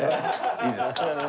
いいですか？